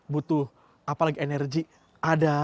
butuh apalagi energi ada